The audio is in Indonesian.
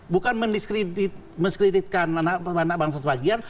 bukan mendiskreditkan anak bangsa sebagian